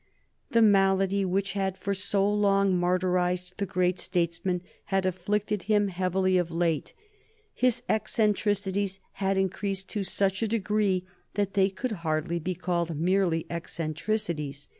The malady which had for so long martyrized the great statesman had afflicted him heavily of late. His eccentricities had increased to such a degree that they could hardly be called merely eccentricities.